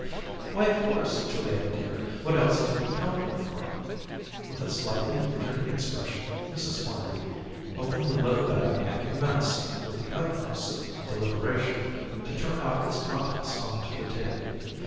"Why, of course, Juliet, dear. What else did we come here for?" With a slightly injured expression, Mrs. Hornby opened the little bag and commenced, with the utmost deliberation, to turn out its contents on to the table.